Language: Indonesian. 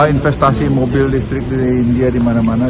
ya investasi mobil listrik di india dimana mana